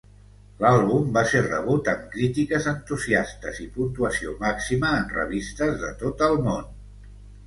L'àlbum va ser rebut amb crítiques entusiastes i puntuació màxima en revistes de tot el món.